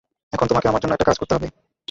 এখন, তোমাকে আমার জন্য একটা কাজ করতে হবে।